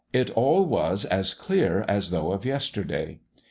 It all was as clear as though of Yesterday.